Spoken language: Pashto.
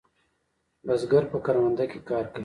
بزگر په کرونده کې کار کوي.